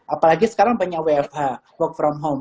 apalagi sekarang banyak wfh work from home